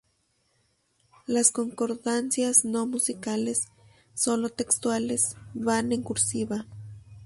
Las concordancias no musicales, solo textuales, van en cursiva.